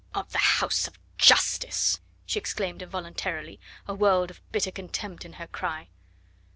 "Of the house of Justice!" she exclaimed involuntarily, a world of bitter contempt in her cry.